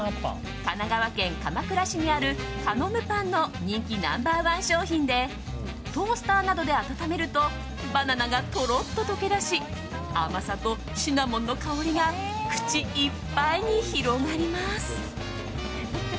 神奈川県鎌倉市にあるカノムパンの人気ナンバー１商品でトースターなどで温めるとバナナがとろっと溶け出し甘さとシナモンの香りが口いっぱいに広がります。